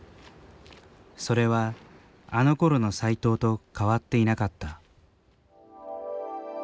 それは、あのころの斎藤と変わっていなかった。